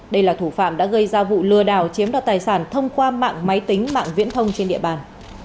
đây là thủ phạm đã gây ra vụ lừa đảo chiếm đoạt tài sản thông qua mạng máy tính mạng viễn thông trên địa bàn